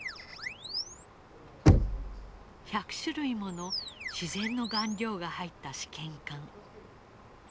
１００種類もの自然の顔料が入った試験管。